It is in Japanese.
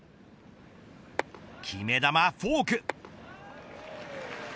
決め球フォーク。